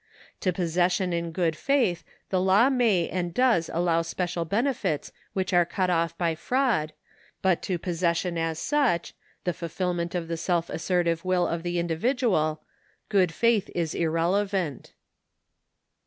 To possession in good faith the law may and does allow special benefits which are cut off by fraud, but to possession as such — the fulfilment of the self assertive will of the individual — ^good faith is irrelevant.